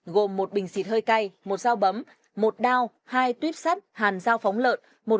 gồm một bình xịt hơi cay một dao bấm một đao hai tuyếp sắt hàn dao phóng lợn